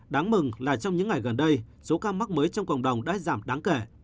đáng mừng là trong những ngày gần đây số ca mắc mới trong cộng đồng đã giảm đáng kể